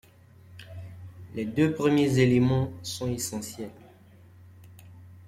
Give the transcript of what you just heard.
Les deux premiers éléments sont essentiels.